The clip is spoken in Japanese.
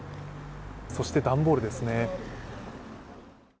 そして段ボールですね。